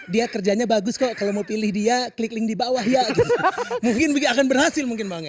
dia kerjanya bagus kok kalau mau pilih dia klik link di bawah ya gitu mungkin akan berhasil mungkin bang ya